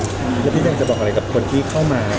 แล้วพี่แดงจะบอกอะไรกับคนที่เข้ามา